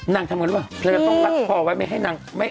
นางทำอะไรบ้าง